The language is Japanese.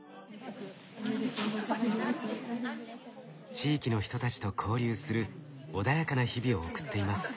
地域の人たちと交流する穏やかな日々を送っています。